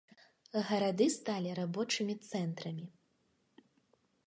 Гарады сталі рабочымі цэнтрамі.